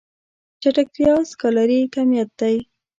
چټکتيا سکالري کميت دی.